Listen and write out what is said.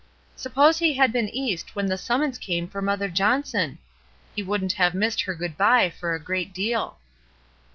Suppose he had been East when the summons came for Mother John son? He wouldn't have missed her good by for a great deal.